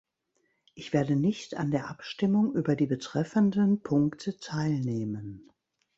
Ich werde nicht an der Abstimmung über die betreffenden Punkte teilnehmen.